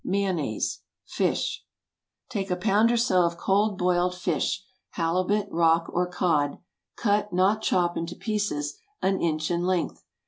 MAYONNAISE. (Fish.) Take a pound or so of cold boiled fish (halibut, rock, or cod), cut—not chop—into pieces an inch in length.